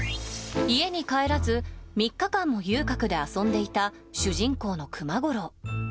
家に帰らず３日間も遊郭で遊んでいた主人公の熊五郎。